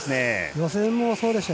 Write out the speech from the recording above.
予選もそうでした。